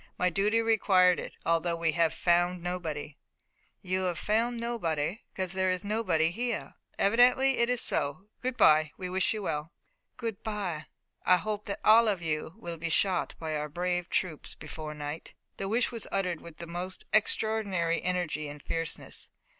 My duty required it, although we have found nobody." "You found nobody because nobody is here." "Evidently it is so. Good by. We wish you well." "Good by. I hope that all of you will be shot by our brave troops before night!" The wish was uttered with the most extraordinary energy and fierceness.